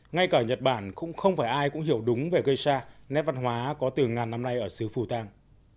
ngay cả nhật bản cũng không phải ai cũng hiểu đúng về cây sa nét văn hóa có từ ngàn năm nay ở xứ phù tàng